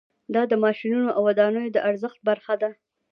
دا د ماشینونو او ودانیو د ارزښت برخه ده